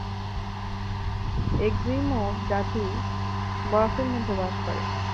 Eskimo জাতি বরফের মধ্যে বাস করে।